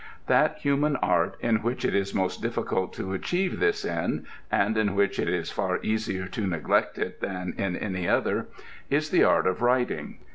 That human art in which it is most difficult to achieve this end (and in which it is far easier to neglect it than in any other) is the art of writing.